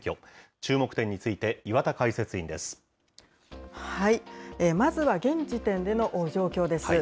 注目点について、岩田解説委員でまずは現時点での状況です。